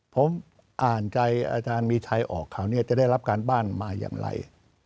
ผมอ่านใจอาจารย์มีชัยออกคราวนี้จะได้รับการบ้านมาอย่างไร